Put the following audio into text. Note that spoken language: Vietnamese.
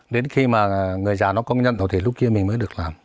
đến khi mà người già nó công nhận rồi thì lúc kia mình mới được làm